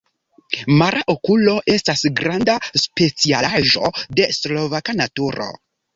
Mara okulo estas granda specialaĵo de slovaka naturo.